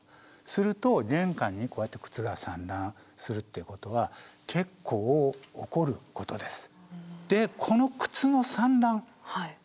すると玄関にこうやって靴が散乱するっていうことは結構起こることです。